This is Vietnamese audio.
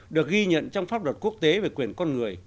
được ghi nhận trong pháp luật quốc tế về quyền con người